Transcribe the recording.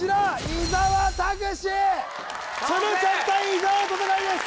伊沢拓司鶴ちゃん対伊沢の戦いです